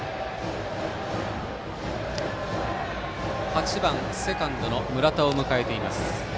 ８番セカンドの村田を迎えています。